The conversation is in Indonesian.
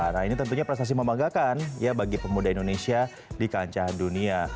nah ini tentunya prestasi membanggakan ya bagi pemuda indonesia di kancah dunia